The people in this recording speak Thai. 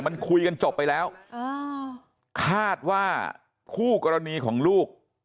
มันคุยกันจบไปแล้วคาดว่าคู่กรณีของลูก